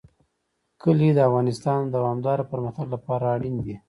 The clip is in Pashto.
کلي د افغانستان د دوامداره پرمختګ لپاره اړین دي.